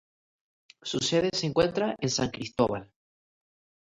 Su sede se encuentra en San Cristóbal.